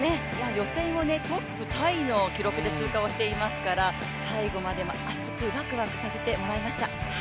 予選をトップタイの記録で通過していますから最後まで熱くワクワクさせてもらいました。